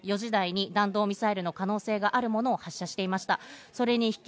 ４時台に弾道ミサイルの可能性があるものを発射していました。